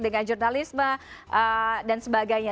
dengan jurnalisme dan sebagainya